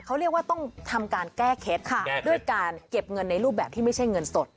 เขาเรียกว่าต้องทำการแก้เคล็ดด้วยการเก็บเงินในรูปแบบที่ไม่ใช่เงินสด